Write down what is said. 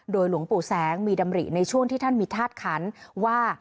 หลวงปู่แสงมีดำริในช่วงที่ท่านมีธาตุขันว่า